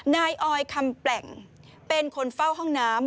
นายออยคำแปล่งเป็นคนเฝ้าห้องน้ำ